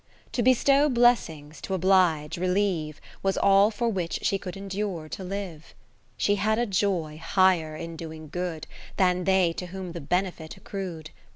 70 To bestow blessings, to oblige, relieve. Was all for which she could endure to live. She had a joy higher in doing good, Than they to whom the benefit accru'd.